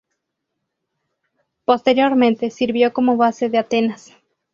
Posteriormente, sirvió como base de Atenas.